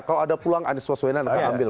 kalau ada peluang anies baswedan akan ambil